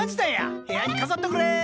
部屋に飾っとくれ！